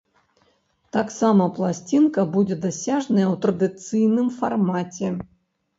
Таксама пласцінка будзе дасяжная ў традыцыйным фармаце.